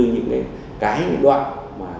những cái đoạn